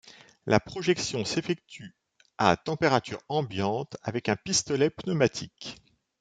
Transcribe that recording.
La projection s’effectue à température ambiante avec un pistolet pneumatique.